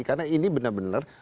karena ini benar benar